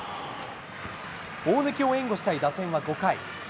大貫を援護したい打線は５回。